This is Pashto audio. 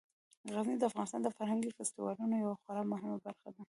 غزني د افغانستان د فرهنګي فستیوالونو یوه خورا مهمه برخه ده.